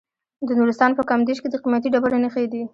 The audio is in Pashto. د نورستان په کامدیش کې د قیمتي ډبرو نښې دي.